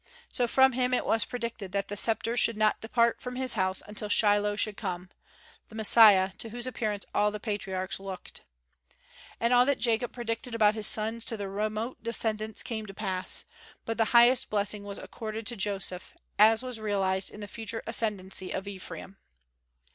So from him it was predicted that the sceptre should not depart from his house until Shiloh should come, the Messiah, to whose appearance all the patriarchs looked. And all that Jacob predicted about his sons to their remote descendants came to pass; but the highest blessing was accorded to Joseph, as was realized in the future ascendency of Ephraim.